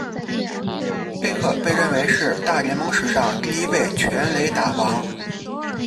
贝克被认为是大联盟史上第一位全垒打王。